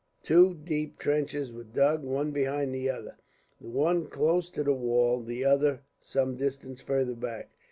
Two deep trenches were dug, one behind the other; the one close to the wall, the other some distance farther back.